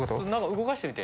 動かしてみて。